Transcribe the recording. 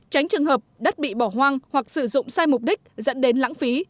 tránh trường hợp đất bị bỏ hoang hoặc sử dụng sai mục đích dẫn đến lãng phí